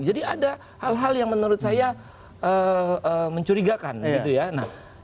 jadi ada hal hal yang menurut saya mencurigakan gitu ya